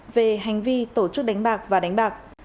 về hành vi tổ chức đánh bạc và đánh bạc